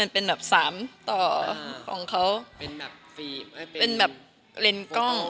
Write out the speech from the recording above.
เป็นแบบเลินกล้อง